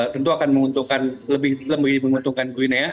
tentu akan menguntungkan lebih lebih menguntungkan guinea